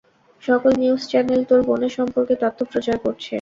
সকল news channel তোর বোনের সম্পর্কে তথ্য প্রচার করছে।